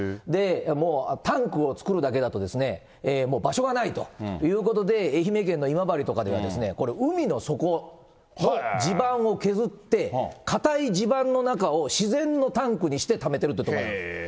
もうタンクを作るだけだともう場所がないということで、愛媛県の今治とかは、これ海の底の地盤を削って、固い地盤の中を自然のタンクにしてためている所もあります。